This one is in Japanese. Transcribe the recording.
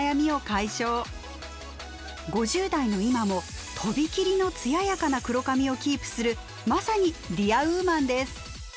５０代の今もとびきりの艶やかな黒髪をキープするまさにディアウーマンです。